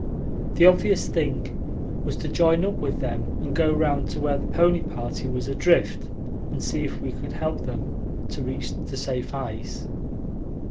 The obvious thing was to join up with them and go round to where the pony party was adrift, and see if we could help them to reach the safe ice.